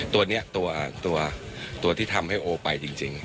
ตัวนี้ตัวที่ทำให้โอไปจริง